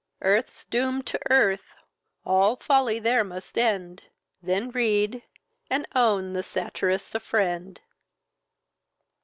Earth's doom'd to earth, all folly there must end, Then read, and own the satirist a friend.